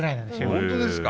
本当ですか？